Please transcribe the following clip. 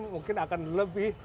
mungkin akan lebih